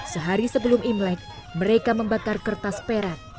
sehari sebelum imlek mereka membakar kertas perak